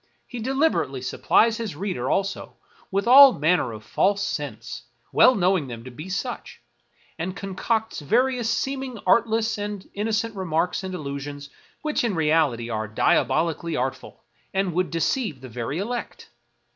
He deliberately supplies his reader, also, with all manner of false scents, well knowing them to be such ; and concocts various seeming artless and innocent remarks and allusions, which in reality are diabolically art ful, and would deceive the very elect.